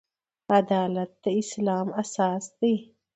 عدالت د اسلام اساس دی